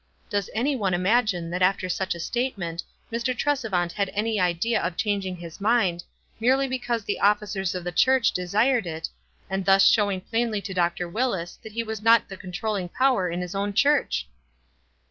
Does any one imagine that after such a statement Mr. Tresevant had any idea of chang ing his mind, merely because the officers of the church desired it, and thus showing plainly to Dr. Willis that he was not the controlling power in his own church?